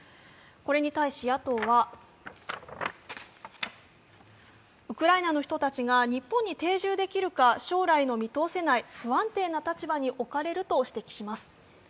これに対し野党は、ウクライナの人たちが日本に定住できるか将来の見通せない不安定な立場に置かれると指摘します。